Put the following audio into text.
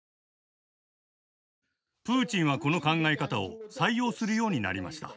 プーチンはこの考え方を採用するようになりました。